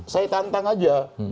saya tantang aja